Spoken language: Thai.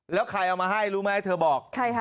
แล้วใครเอามาให้รู้ไหมเธอบอก